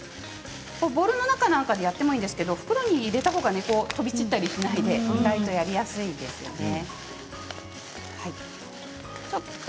ボウルの中でやってもいいんですけれど袋に入れたほうが、飛び散ったりしないでやりやすいですね。